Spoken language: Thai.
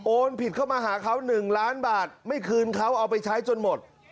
ผิดเข้ามาหาเขา๑ล้านบาทไม่คืนเขาเอาไปใช้จนหมด